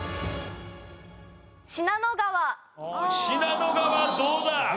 信濃川どうだ？